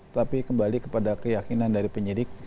tapi kembali kepada keyakinan dari penyidik